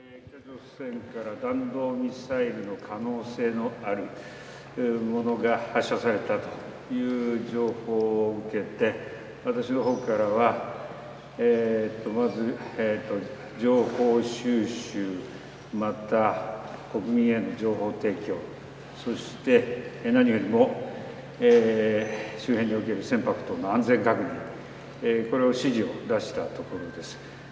北朝鮮から弾道ミサイルの可能性のあるものが発射されたという情報を受けて、私のほうからは、まず情報収集、また、国民への情報提供、そして何よりも周辺における船舶等の安全確認、これを指示を出したところです。